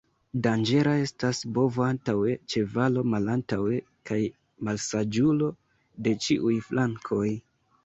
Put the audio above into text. Danĝera estas bovo antaŭe, ĉevalo malantaŭe, kaj malsaĝulo de ĉiuj flankoj.